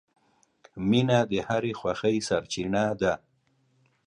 • مینه د هرې خوښۍ سرچینه ده.